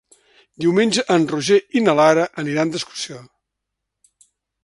Diumenge en Roger i na Lara aniran d'excursió.